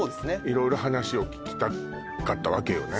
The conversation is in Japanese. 色々話を聞きたかったわけよね